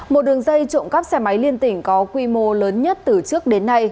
một đường dây trộm cắp xe máy liên tỉnh có quy mô lớn nhất từ trước đến nay